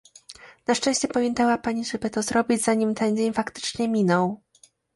Na szczęście pamiętała Pani, żeby to zrobić zanim ten dzień faktycznie minął